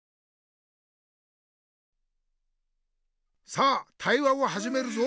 さあ対話をはじめるぞ。